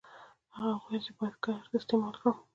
هغه وویل چې باید کارت استعمال کړم.